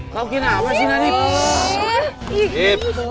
kau kena apa sih nadif